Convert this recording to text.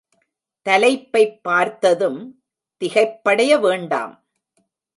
தலைப்பைப் பார்த்ததும் திகைப்படைய வேண்டாம்.